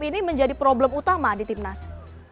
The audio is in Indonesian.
ini menjadi problem utama di timnas